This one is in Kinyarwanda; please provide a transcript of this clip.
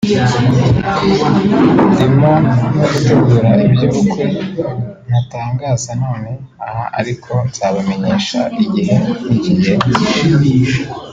ndimo no gutegura iby’ubukwe ntatangaza none aha ariko nzabamenyesha igihe nikigera